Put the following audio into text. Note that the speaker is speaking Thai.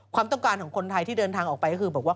ความต้องการของคนไทยที่เดินทางออกไปก็คือบอกว่า